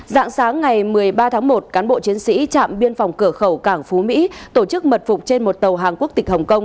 dạng sáng ngày một mươi ba tháng một cán bộ chiến sĩ trạm biên phòng cửa khẩu cảng phú mỹ tổ chức mật phục trên một tàu hàng quốc tịch hồng kông